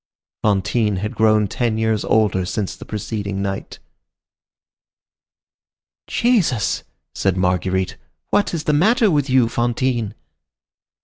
Fantine had grown ten years older since the preceding night. "Jesus!" said Marguerite, "what is the matter with you, Fantine?"